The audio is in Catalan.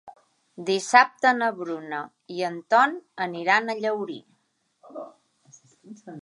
Dissabte na Bruna i en Ton aniran a Llaurí.